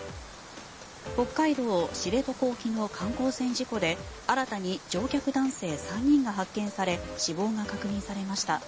北海道・知床沖の観光船事故で新たに乗客男性３人が発見され死亡が確認されました。